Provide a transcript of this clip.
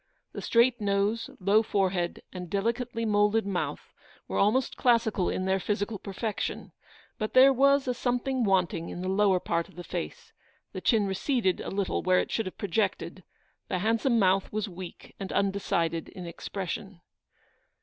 The straight nose, low forehead, and delicately moulded mouth, were almost classical in their physical perfection ; but there was a something wanting in the lower part of the face ; the chin receded a little where it should have projected, the handsome mouth was weak and undecided in expression.